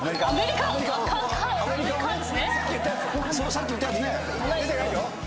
さっき言ったやつね。